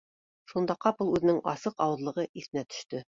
Шунда ҡапыл үҙенең асыҡ ауыҙлығы иҫенә төштө